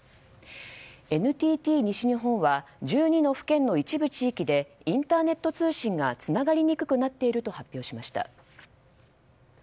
ＮＴＴ西日本は１２の府県の一部地域でインターネットの通信がつながりにくくなっていると発表しました。